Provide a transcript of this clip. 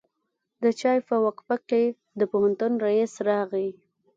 د چای په وقفه کې د پوهنتون رئیس راغی.